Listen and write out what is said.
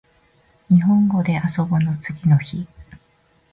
にほんごであそぼの次の日